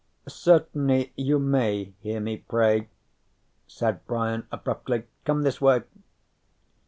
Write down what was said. _ "Certainly you may hear me pray," said Brian abruptly. "Come this way."